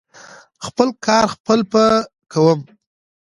خپل کاره خپل به کوم .